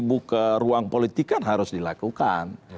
buka ruang politik kan harus dilakukan